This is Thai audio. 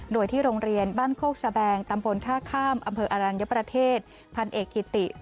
โดยที่โรงเรียนบ้านโคกสแบงตำบลท่าข้ามอำเภออรัญญประเทศพันเอกกิติ